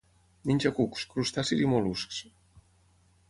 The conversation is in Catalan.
Menja cucs, crustacis i mol·luscs.